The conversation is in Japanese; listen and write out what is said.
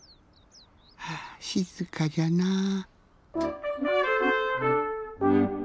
はあしずかじゃなぁ。